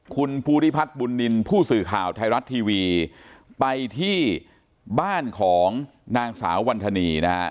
คุณภูริพัฒน์บุญนินทร์ผู้สื่อข่าวไทยรัฐทีวีไปที่บ้านของนางสาววันธนีนะฮะ